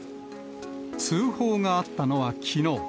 通報があったのはきのう。